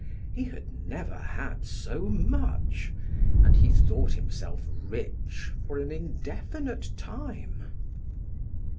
He had never had so much, and he thought himself rich for an indefinite time.